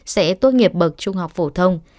sẽ tốt nghiệp bậc trung học phổ thông